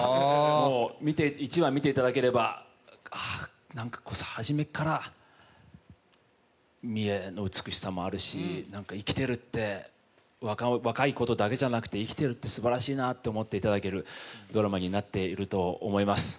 １話を見ていただければ、なんか初めから三重の美しさもあるし生きているって、若いことだけじゃなくて生きてるってすばらしいと思っていただけるドラマになっていると思います。